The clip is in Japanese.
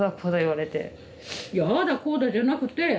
いやああだこうだじゃなくて。